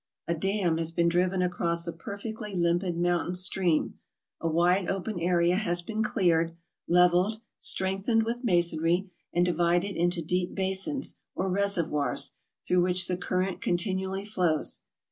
A dam has been driven across a perfectly limpid mountain stream; a wide open area has been cleared, leveled, strengthened with masonry, and divided into deep basins or reservoirs, through which the current continually flows.